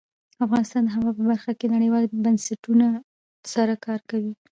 افغانستان د هوا په برخه کې نړیوالو بنسټونو سره کار کوي.